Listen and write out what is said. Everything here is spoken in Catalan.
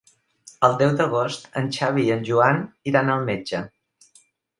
El deu d'agost en Xavi i en Joan iran al metge.